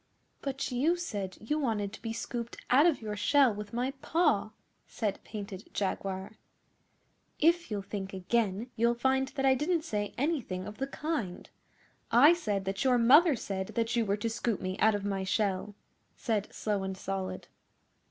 'But you said you wanted to be scooped out of your shell with my paw,' said Painted Jaguar. 'If you'll think again you'll find that I didn't say anything of the kind. I said that your mother said that you were to scoop me out of my shell,' said Slow and Solid.